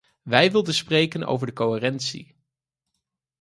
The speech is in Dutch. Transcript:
Wij wilden spreken over de coherentie.